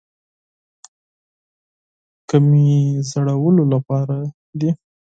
کومې زړولو لپاره دي.